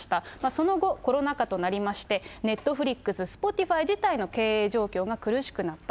その後、コロナ禍となりまして、ネットフリックス、Ｓｐｏｔｉｆｙ自体の経営状況が苦しくなった。